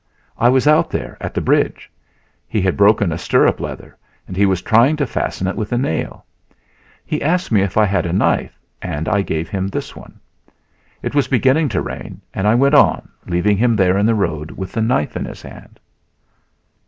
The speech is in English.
It was out there at the bridge. He had broken a stirrup leather and he was trying to fasten it with a nail. He asked me if I had a knife, and I gave him this one. It was beginning to rain and I went on, leaving him there in the road with the knife in his hand."